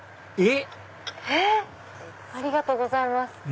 えっ⁉ありがとうございます。